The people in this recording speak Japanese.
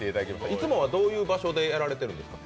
いつもはどういう所でやられているんですか？